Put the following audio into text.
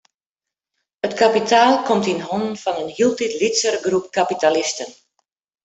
It kapitaal komt yn hannen fan in hieltyd lytsere groep kapitalisten.